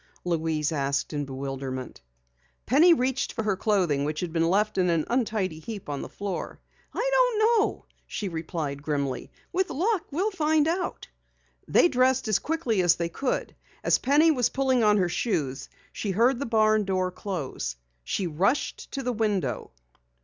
Louise asked in bewilderment. Penny reached for her clothing which had been left in an untidy heap on the floor. "I don't know," she replied grimly. "With luck we'll find out." They dressed as quickly as they could. As Penny was pulling on her shoes she heard the barn door close. She rushed to the window.